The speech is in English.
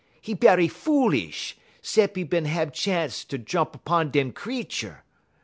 'E bery foolish, 'cep' 'e is bin hab chance ter jump 'pon dem creetur.